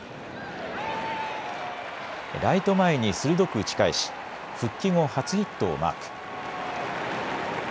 ライト前に鋭く打ち返し復帰後、初ヒットをマーク。